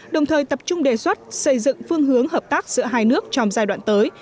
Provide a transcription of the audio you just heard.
đồng thời tập trung đề xuất xây dựng phương hướng hợp tác giữa hai nước trong giai đoạn tới